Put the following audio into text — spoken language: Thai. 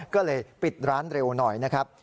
ก็เลยปิดร้านเร็วหน่อยนะครับ